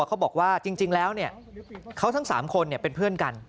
เขาบอกว่าจริงแล้วเขาทั้ง๓คนเป็นเพื่อนกัน